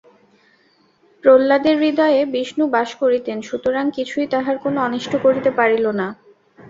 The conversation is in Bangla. প্রহ্লাদের হৃদয়ে বিষ্ণু বাস করিতেন, সুতরাং কিছুই তাঁহার কোন অনিষ্ট করিতে পারিল না।